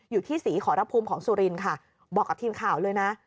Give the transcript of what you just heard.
อยู่ที่ศรีขอรภูมิของสุรินทร์ค่ะบอกกับทีมข่าวเลยนะ